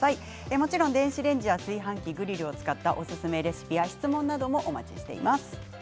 もちろん電子レンジや、炊飯器グリルを使ったおすすめレシピや質問もお待ちしています。